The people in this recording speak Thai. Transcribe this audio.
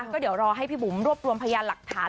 ก็เดี๋ยวรอให้พี่บุ๋มรวบรวมพยานหลักฐาน